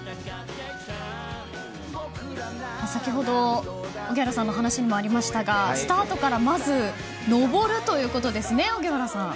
先ほど荻原さんの話にありましたがスタートからまず上るということですね。